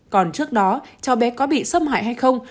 còn trước đó cháu bé có bị xâm hại hay không